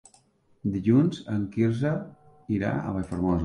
Dilluns en Quirze irà a Vilafermosa.